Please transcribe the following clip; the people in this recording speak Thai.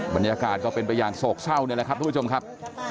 บรรยากาศก็เป็นไปอย่างโศกเศร้านี่แหละครับทุกผู้ชมครับ